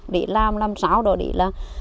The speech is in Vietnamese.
để làm làm sao đó để là